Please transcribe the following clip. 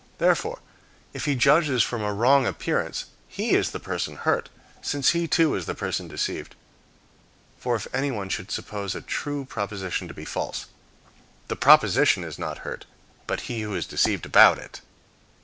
Therefore, if he judges from a wrong appearance, he is the person hurt, since he too is the person deceived. For if anyone should suppose a true proposition to be false, the proposition is not hurt, but he who is deceived about it.